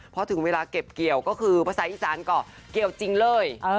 พอถึงเวลาเก็บเกี่ยวก็คือภาษาอีสานก็เกี่ยวจริงเลย